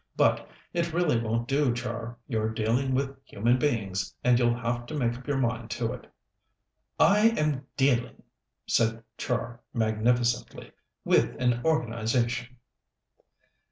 "But it really won't do, Char. You're dealing with human beings, and you'll have to make up your mind to it." "I am dealing," said Char magnificently, "with an organization."